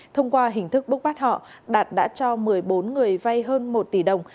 thông qua hình thức bốc bắt họ đạt đã cho một mươi bốn người vay hơn một tỷ đồng